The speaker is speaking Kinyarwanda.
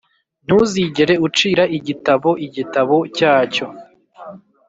ntuzigere ucira igitabo igitabo cyacyo